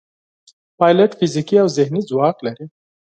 پیلوټ فزیکي او ذهني ځواک لري.